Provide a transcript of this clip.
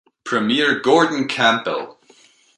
Premier Gordon Campbell.